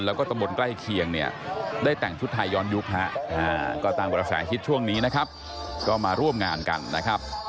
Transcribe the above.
แล้วก็ตำบลใกล้เคียงได้แต่งชุดทายย้อนยุคหิตช่วงนี้มาร่วมงานกันนะครับ